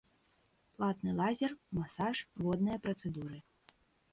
Платны лазер, масаж, водныя працэдуры.